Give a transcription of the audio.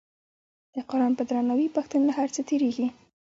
د قران په درناوي پښتون له هر څه تیریږي.